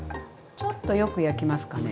ちょっとよく焼きますかね。